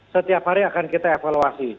setiap hari akan kita evaluasi